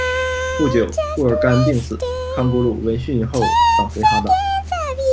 不久，扈尔干病死，康古鲁闻讯后返回哈达。